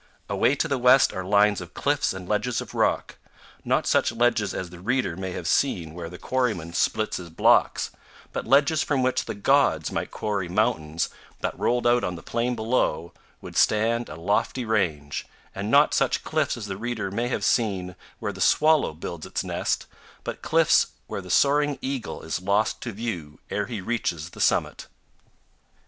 Away to the west are lines of cliffs and ledges of rock not such ledges as the reader may have seen where the quarryman splits his blocks, but ledges from which the gods might quarry mountains that, rolled out on the plain below, would stand a lofty range; and not such cliffs as the reader may have seen where the swallow builds its nest, but cliffs where the soaring eagle is lost to view ere he reaches the summit.